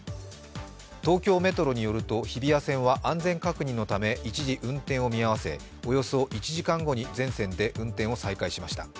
東京メトロによると日比谷線は安全確認のため一時運転を見合わせおよそ１時間後に全線で運転を再開しました。